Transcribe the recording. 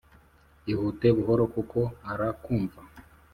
ihute buhoro kuko ara kumva